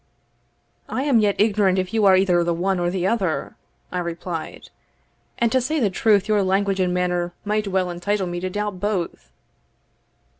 "I am yet ignorant if you are either the one or the other," I replied; "and to say the truth, your language and manner might well entitle me to doubt both."